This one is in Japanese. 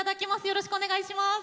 よろしくお願いします。